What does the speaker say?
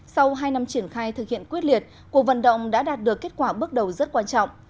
sau hai năm triển khai thực hiện quyết liệt cuộc vận động đã đạt được kết quả bước đầu rất quan trọng